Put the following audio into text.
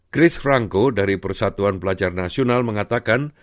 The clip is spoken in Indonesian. chris franco dari persatuan pelajar nasional mengatakan